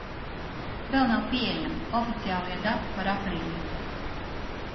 Vēl nav pieejami oficiālie dati par aprīli.